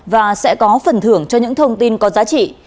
và sẽ có phần thưởng cho những thông tin có giá trị